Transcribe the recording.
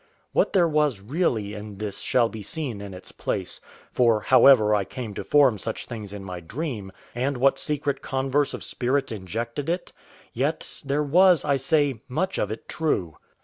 What there was really in this shall be seen in its place; for however I came to form such things in my dream, and what secret converse of spirits injected it, yet there was, I say, much of it true.